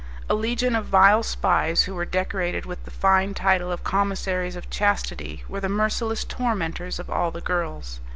A legion of vile spies, who were decorated with the fine title of Commissaries of Chastity, were the merciless tormentors of all the girls.